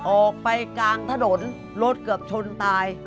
ออกไปกลางถนนรถเกือบชนตาย